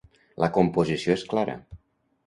La composició és clara.